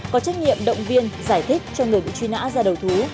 có trách nhiệm động viên giải thích cho người bị truy nã ra đầu thú